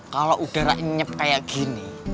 kalau udara nyenyap kayak gini